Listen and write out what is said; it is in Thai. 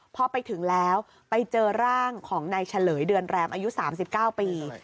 พอไปถึงแล้วไปเจอร่างของนายเฉลยเดือนแรมอายุ๓๙ปี